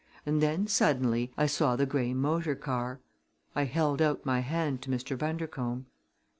And then suddenly I saw the gray motor car. I held out my hand to Mr. Bundercombe.